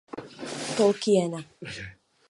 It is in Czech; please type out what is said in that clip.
Tolkiena.